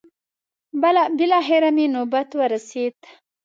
بلاخره مې نوبت ورسېد.